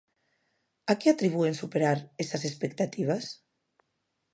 A que atribúen superar esas expectativas?